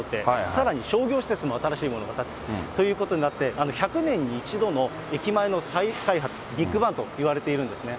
さらに商業施設も新しいものが建つということになって、１００年に１度の駅前の再開発、ビッグバンといわれているんですね。